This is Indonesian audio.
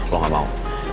lo gak mau